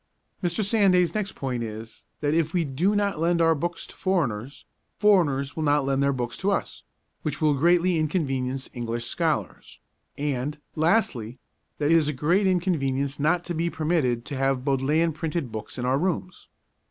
Mr. Sanday's next point is, that if we do not lend our books to foreigners, foreigners will not lend their books to us, which will greatly inconvenience English scholars; and, lastly, that it is a great inconvenience not to be permitted to have Bodleian printed books in our rooms.